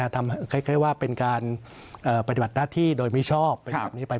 ทำคล้ายว่าพยาบาลเป็นการปฏิบัติหน้าที่โดยคุณภาพไม่ชอบ